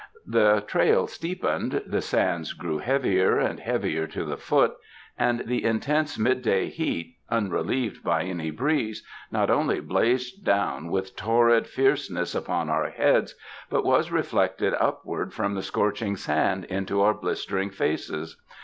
The trail steepened, the sands grew heavier and heavier to the foot, and the intense midday heat, unrelieved by any breeze, not only blazed down with torrid fierce ness upon our heads but was reflected upward from the scorching sand into our blistering faces.